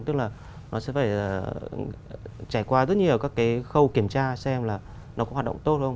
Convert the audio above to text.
tức là nó sẽ phải trải qua rất nhiều các cái khâu kiểm tra xem là nó có hoạt động tốt không